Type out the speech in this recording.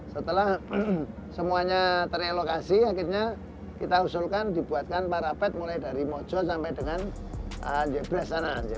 setelah semuanya terelokasi akhirnya kita usulkan dibuatkan parapet mulai dari mojo sampai dengan sana